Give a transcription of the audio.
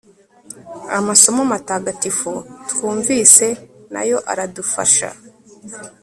amasomo matagatifu twumvise nayo aradufasha